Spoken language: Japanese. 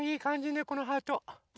ねこのハート。